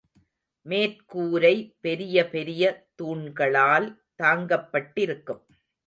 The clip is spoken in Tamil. மேற்கூரை பெரிய பெரிய தூண்களால் தாங்கப்பட்டிருக்கும்.